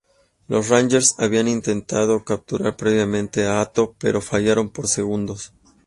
Los Rangers habían intentado capturar previamente a Atto, pero fallaron por segundos.